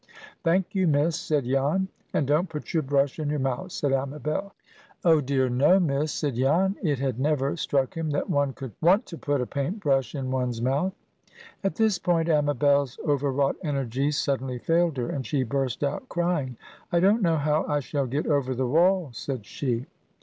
"Thank you, Miss," said Jan. "And don't put your brush in your mouth," said Amabel. "Oh, dear, no, Miss," said Jan. It had never struck him that one could want to put a paint brush in one's mouth. At this point Amabel's overwrought energies suddenly failed her, and she burst out crying. "I don't know how I shall get over the wall," said she.